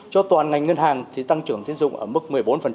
cho toàn ngành ngân hàng thì tăng trưởng tiến dụng ở mức một mươi bốn